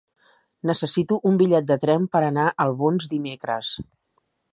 Necessito un bitllet de tren per anar a Albons dimecres.